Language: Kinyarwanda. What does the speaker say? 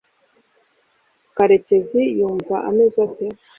karekezi yumva ameze ate